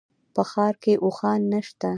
په ښار کي اوښان نشته